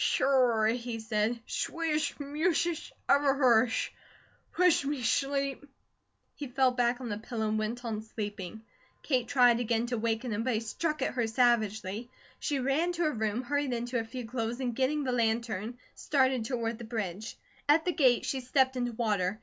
"Sure!" he said. "Sweesish mushich ever hearsh. Push me shleep." He fell back on the pillow and went on sleeping. Kate tried again to waken him, but he struck at her savagely. She ran to her room, hurried into a few clothes, and getting the lantern, started toward the bridge. At the gate she stepped into water.